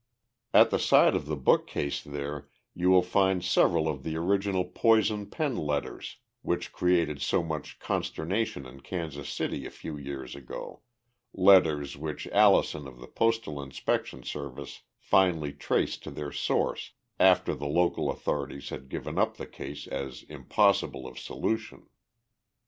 At the side of the bookcase there you will find several of the original poison pen letters which created so much consternation in Kansas City a few years ago, letters which Allison of the Postal Inspection Service finally traced to their source after the local authorities had given up the case as impossible of solution.